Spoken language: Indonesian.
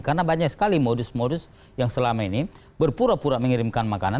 karena banyak sekali modus yang selama ini berpura pura mengirimkan makanan